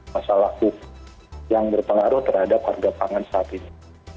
masalah hukum yang berpengaruh terhadap harga pangan saat ini